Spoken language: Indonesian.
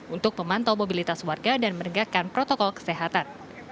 untuk memantau mobilitas warga dan menegakkan protokol kesehatan